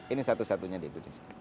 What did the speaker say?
ini satu satunya di indonesia